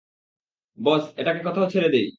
বস, এটাকে কোথাও ছেড়ে দিই।